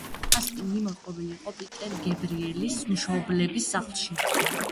კასტინგი მოწყობილი იყო პიტერ გებრიელის მშობლების სახლში.